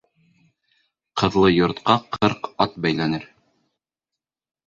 Ҡыҙлы йортҡа ҡырҡ ат бәйләнер.